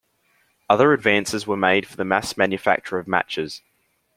Other advances were made for the mass manufacture of matches.